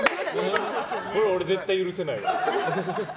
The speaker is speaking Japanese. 俺、絶対許せないわ。